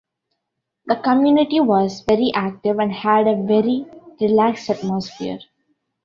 The community was very active, and had a very relaxed atmosphere.